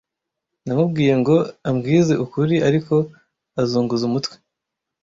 Namubwiye ngo ambwize ukuri, ariko azunguza umutwe.